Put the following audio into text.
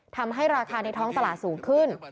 ทำให้ราคาในท้องตลาดสูงขึ้น